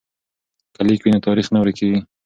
که لیک وي نو تاریخ نه ورکیږي.